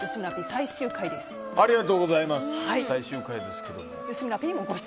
最終回ですが。